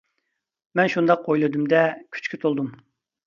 مەن شۇنداق ئويلىدىم دە كۈچكە تولدۇم.